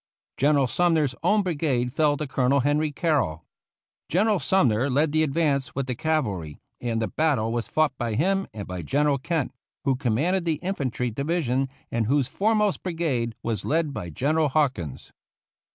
General Sumner's own brigade fell to Colonel Henry Carroll. General Sumner led the advance with the cavalry, and the battle was fought by him and by General Kent, who com manded the infantry division, and whose foremost brigade was led by General Hawkins.